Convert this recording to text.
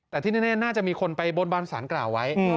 แต่ที่แน่น่าจะมีคนไปบนบานสารกล่าวไว้